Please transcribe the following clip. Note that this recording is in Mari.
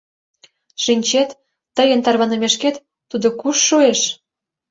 Шинчет, тыйын тарванымешкет тудо куш шуэш?